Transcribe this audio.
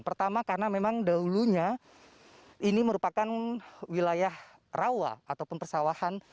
pertama karena memang dahulunya ini merupakan wilayah rawa ataupun persawahan